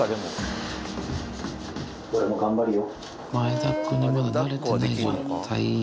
俺も頑張るよ。